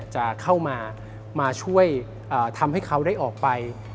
จะเข้ามาช่วยทำให้เขาได้ออกไป